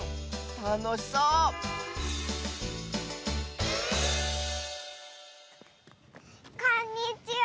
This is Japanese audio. たのしそうこんにちは！